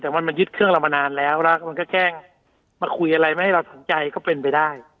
แต่ว่ามันยึดเครื่องเรามานานแล้วแล้วมันก็แกล้งมาคุยอะไรไม่ให้เราสนใจก็เป็นไปได้